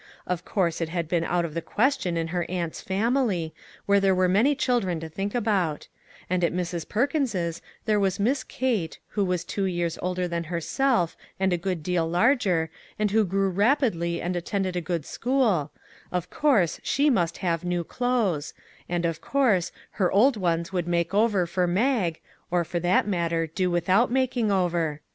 Of course, it had been out of the question in her aunt's family, where there were many children to think about ; and at Mrs. Per kins's there was Miss Kate, who was two years older than herself, and a good deal larger, and who grew rapidly and attended a good school ; of course, she must have new clothes, and, of course, her old ones would make over for Mag, or, for that matter, do without making over.